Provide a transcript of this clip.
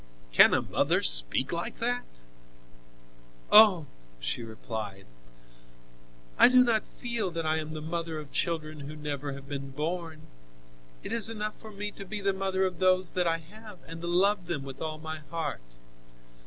"Can a mother speak like that?" "Oh!" she replied, "I do not feel that I am the mother of children who never have been born; it is enough for me to be the mother of those that I have and to love them with all my heart.